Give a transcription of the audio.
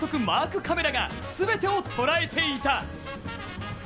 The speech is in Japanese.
マークカメラが、全てを捉えていた。